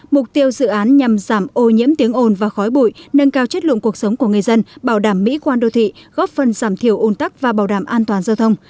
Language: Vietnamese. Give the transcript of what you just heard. mục tiêu dự án nhằm giảm ô nhiễm tiếng ồn và khói bụi nâng cao chất lượng cuộc sống của người dân bảo đảm mỹ quan đô thị góp phần giảm thiểu ôn tắc và bảo đảm an toàn giao thông